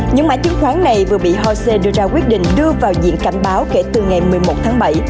những mại chứng khoán này vừa bị hồ sê đưa ra quyết định đưa vào diện cảnh báo kể từ ngày một mươi một tháng bảy